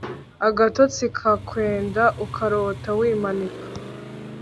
agatotsi kakwenda ukarota wimanika